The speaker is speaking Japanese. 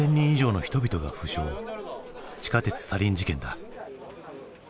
地下鉄サリン事件だ。